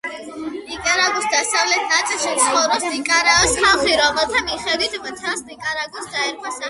ნიკარაგუის დასავლეთ ნაწილში ცხოვრობს ნიკარაოს ხალხი, რომელთა მიხედვითაც მთელს ნიკარაგუას დაერქვა სახელი.